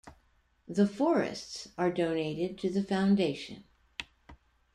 The forests are donated to the foundation.